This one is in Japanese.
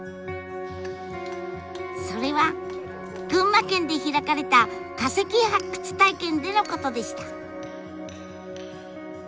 それは群馬県で開かれた化石発掘体験でのことでした。